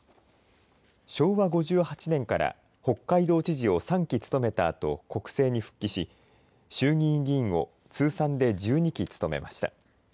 昭和５８年から北海道知事を３期務めたあと国政に復帰し衆議院議員を通算で１２期務めました。